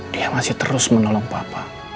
dia masih terus menolong bapak